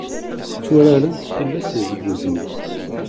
Tturarent tullas deg uzniq.